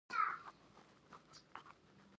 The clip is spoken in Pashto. د دې فورمول بڼه توکي پیسې او بیا توکي ده